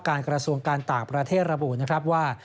กระทรวงการต่างประเทศระบุนะครับว่า